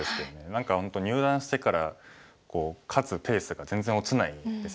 何か本当入段してから勝つペースが全然落ちないですよね。